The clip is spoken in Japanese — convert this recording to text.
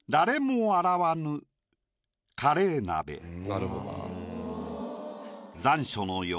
なるほど。